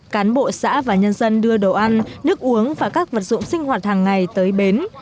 cán bộ xã và nhân dân đưa đồ ăn nước uống và các vật dụng sinh hoạt hàng ngày tới bến